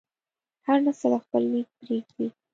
هر نسل خپل لیک پرېږدي.